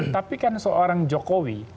tapi kan seorang jokowi